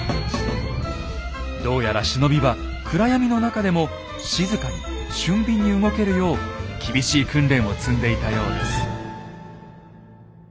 どうやら忍びは暗闇の中でも静かに俊敏に動けるよう厳しい訓練を積んでいたようです。